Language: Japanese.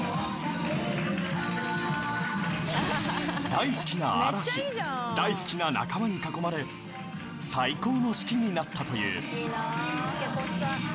［大好きな嵐大好きな仲間に囲まれ最高の式になったという］